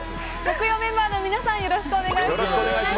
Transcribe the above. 木曜メンバーの皆さんよろしくお願いします。